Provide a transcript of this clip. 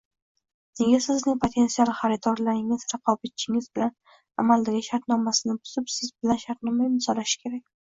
nega sizning potensial xaridorlaringiz raqobatchingiz bilan amaldagi shartnomasini buzib, siz bilan shartnoma imzolashi kerak?